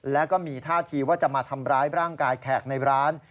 แล้วก็มีท่าทีว่าจะมาทำร้ายร่างกายแขกในร้าน